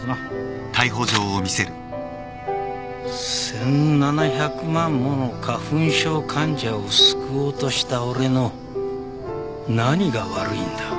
１，７００万もの花粉症患者を救おうとした俺の何が悪いんだ？